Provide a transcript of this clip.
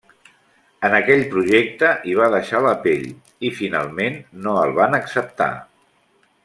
En aquell projecte hi va deixar la pell i finalment no el van acceptar.